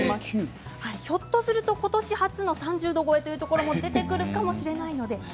ひょっとすると今年初の３０度超えのところも出てくるかもしれません。